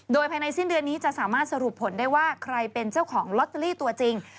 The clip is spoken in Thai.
โดยภายในสิ้นเดือนนี้จะสามารถสรุปผลได้ว่าใครเป็นเจ้าของลอตเตอรี่ตัวจริง